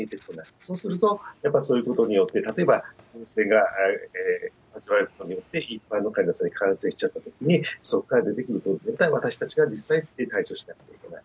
そうすると、やっぱりそういうことによって、例えばによって、一般の患者さんに感染しちゃったときに、そこから出てくることに対して、私たちが実際対処しなくてはいけない。